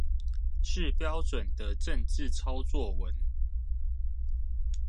是標準的政治操作文